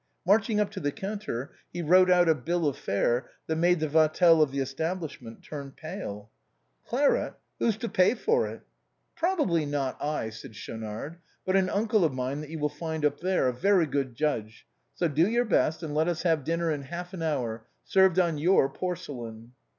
March ing up to the counter, he wrote out a bill of fare that made the Vatel of the establishment turn pale. 44 THE BOHEMIANS OF THE LATIN" QUARTER. " Claret ! who's to pay for it ?"" Probably not I," said Schaunard, " but an uncle of mine that you will find up there, a very good judge. So, do your best, and let us have dinner in half an hour, served on porcelain."